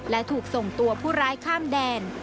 และถูกส่งตัวผู้ร้ายข้ามแดน